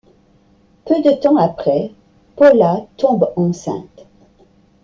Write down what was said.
Peu de temps après, Paula tombe enceinte.